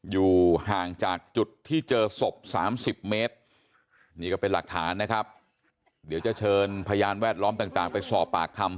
อยู่ห่างจากจุดที่เจอศพ๓๐เมตรนี่ก็เป็นหลักฐานนะครับเดี๋ยวจะเชิญพยานแวดล้อมต่างไปสอบปากคำ